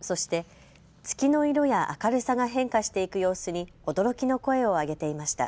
そして月の色や明るさが変化していく様子に驚きの声を上げていました。